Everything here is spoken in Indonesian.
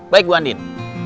baik bu andin